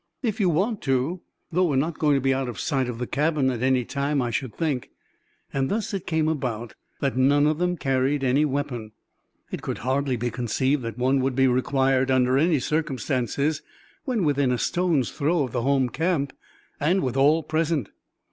"If you want to, though we're not going to be out of sight of the cabin at any time, I should think." Thus it came about that none of them carried any weapon. It could hardly be conceived that one would be required under any circumstances when within a stone's throw of the home camp, and with all present.